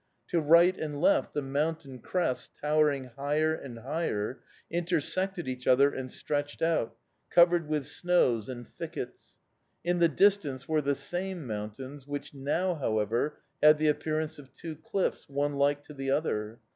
To right and left the mountain crests, towering higher and higher, intersected each other and stretched out, covered with snows and thickets; in the distance were the same mountains, which now, however, had the appearance of two cliffs, one like to the other.